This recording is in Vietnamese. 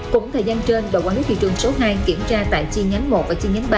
cũng thời gian trên đội quản lý thị trường số hai kiểm tra tại chi nhánh một và chi nhánh ba